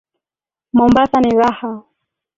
Mombasa ni raha